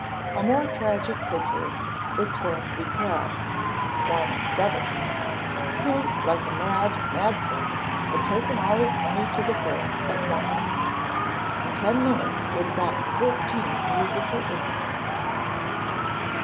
A more tragic figure was Francie Crabb (one and seven pence), who, like a mad, mad thing, had taken all his money to the fair at once. In ten minutes he had bought fourteen musical instruments.